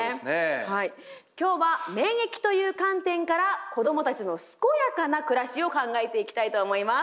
今日は免疫という観点から子どもたちの健やかな暮らしを考えていきたいと思います。